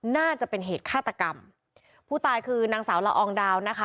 น่าจะเป็นเหตุฆาตกรรมผู้ตายคือนางสาวละอองดาวนะคะ